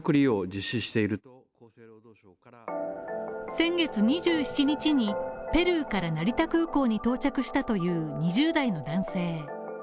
先月２７日にペルーから成田空港に到着したという２０代の男性。